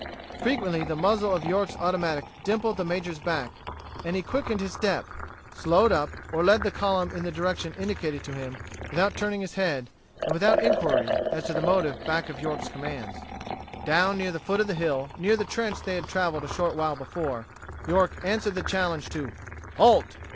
Frequently the muzzle of York's automatic dimpled the major's back and he quickened his step, slowed up, or led the column in the direction indicated to him without turning his head and without inquiry as to the motive back of York's commands. Down near the foot of the hill, near the trench they had traveled a short while before, York answered the challenge to "Halt!"